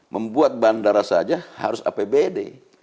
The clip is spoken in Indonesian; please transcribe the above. membuat bandara saja harus apbd